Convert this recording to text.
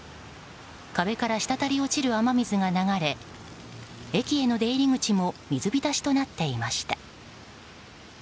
壁から滴り落ちる雨水が流れ駅への出入り口も水浸しとなっていました。